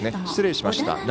失礼しました。